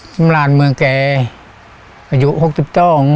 สำราญเมืองแก่อายุ๖๔ครับ